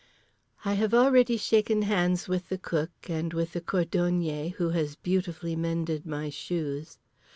I have already shaken hands with the Cook, and with the cordonnier who has beautifully mended my shoes.